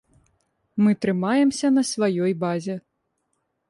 Мы трымаемся на сваёй базе.